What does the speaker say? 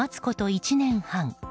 １年半。